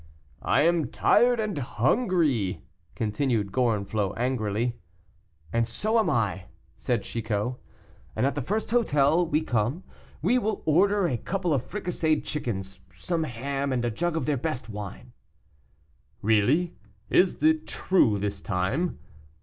"I am tired and hungry!" continued Gorenflot angrily. "And so am I," said Chicot; "and at the first hotel we come to we will order a couple of fricasseed chickens, some ham, and a jug of their best wine." "Really, is it true this time?"